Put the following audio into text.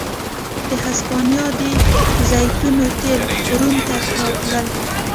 د هسپانیا د زیتونو تېل روم ته راتلل